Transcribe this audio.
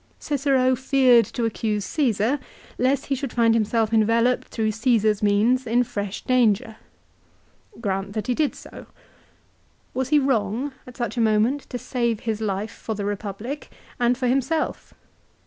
Cicero feared to accuse Caesar, lest he should find himself enveloped through Caesar's means in fresh danger. Grant that he did so. Was he wrong at such a moment to save his life for the Republic; and for himself?